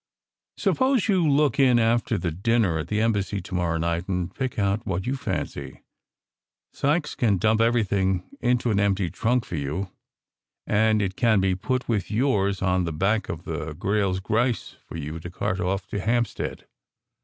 Suppose you look in after the dinner at the Embassy to morrow night, and pick out what you fancy. Sykes can dump everything into an empty trunk for you, and it can be put with yours on the back of the Grayles Grice for you to cart off to Hamp stead."